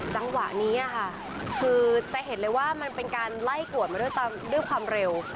จังหวะนี้ค่ะคือจะเห็นเลยว่ามันเป็นการไล่กวดมาด้วยความเร็ว